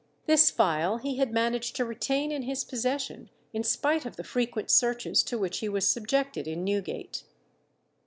This phial he had managed to retain in his possession in spite of the frequent searches to which he was subjected in Newgate.